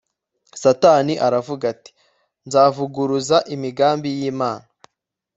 Satani aravuga ati Nzavuguruza imigambi yImana